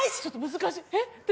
ちょっと難しいえっ？